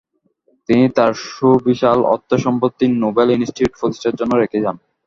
তিনি তার সুবিশাল অর্থ সম্পত্তি নোবেল ইনস্টিটিউট প্রতিষ্ঠার জন্য রেখে যান।